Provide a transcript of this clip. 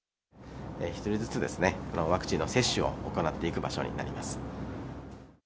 １人ずつワクチンの接種を行っていく場所になります。